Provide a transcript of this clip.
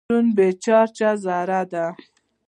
نیوټرون بې چارجه ذره ده.